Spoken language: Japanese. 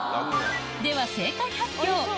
では正解発表